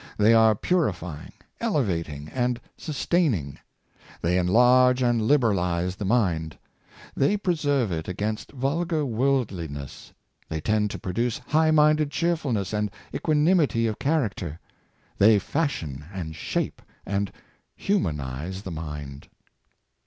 They are purify ing, elevating, and sustaining; they enlarge and liber alize the mind; they preserve it against vulgar world liness; they tend to produce high minded cheerfulness and equanimity of character; they fashion and shape, and humanize the mind.